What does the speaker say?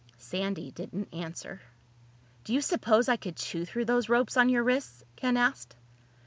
Sandy didn't answer. "Do you suppose I could chew through those ropes on your wrists?" Ken asked.